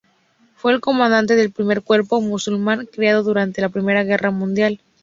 Fue el comandante del primer cuerpo musulmán creado durante la primera guerra mundial.